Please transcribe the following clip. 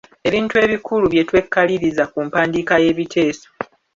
Ebintu ebikulu bye twekaliriza ku mpandiika y'ebiteeso.